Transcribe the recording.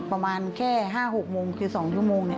ประมาณแค่๕๖โมงคือ๒ชั่วโมง